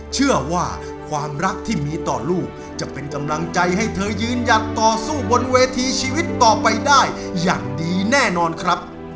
เชื่อว่าความรักที่มีต่อลูกจะเป็นกำลังใจให้เธอยืนหยัดต่อสู้บนเวทีชีวิตต่อไปได้อย่างดีแน่นอนครับ